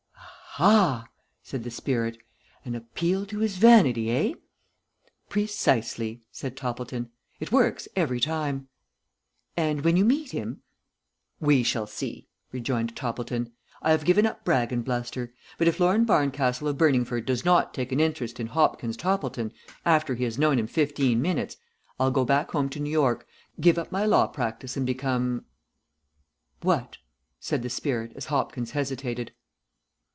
"Aha!" said the spirit. "An appeal to his vanity, eh?" "Precisely," said Toppleton. "It works every time." "And when you meet him?" "We shall see," rejoined Toppleton. "I have given up brag and bluster; but if Lord Barncastle of Burningford does not take an interest in Hopkins Toppleton after he has known him fifteen minutes, I'll go back home to New York, give up my law practice and become " "What?" said the spirit as Hopkins hesitated.